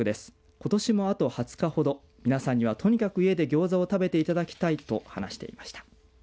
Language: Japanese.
ことしもあと２０日ほど皆さんにはとにかく家でギョーザを食べていただきたいと話しました。